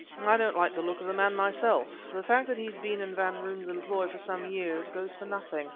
I don't like the look of the man myself. The fact that he has been in Van Roon's employ for some years goes for nothing.